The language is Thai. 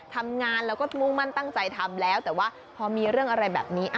ทำงานแล้วก็มุ่งมั่นตั้งใจทำแล้วแต่ว่าพอมีเรื่องอะไรแบบนี้